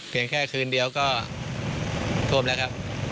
เพียงแค่คืนเดียวก็ทวมแล้วครับ